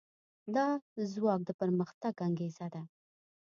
دا ځواک د پرمختګ انګېزه ده.